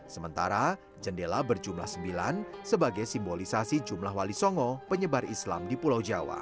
sementara jendela berjumlah sembilan sebagai simbolisasi jumlah wali songo penyebar islam di pulau jawa